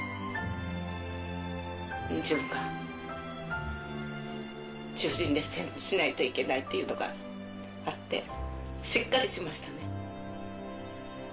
自分が中心でしないといけないっていうのがあってしっかりしましたね。